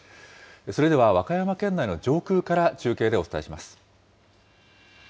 それでは、和歌山県内の上空から中継でお伝えします。